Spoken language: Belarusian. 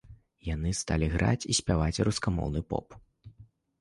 Яны сталі граць і спяваць рускамоўны поп.